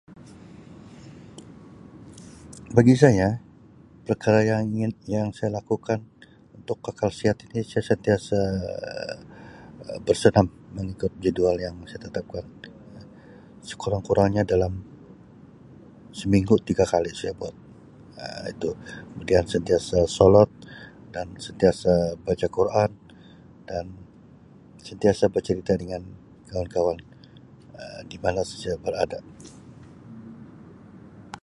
Bagi saya perkara yang ingin yang saya lakukan untuk kekal sihat ini saya sentiasa Um bersenam mengikut jadual yang saya tetapkan sekurang-kurangnya dalam seminggu tiga kali saya buat Um itu kemudian sentiasa solat dan sentiasa baca Quran dan sentiasa bercerita dengan kawan-kawan Um di mana saja berada.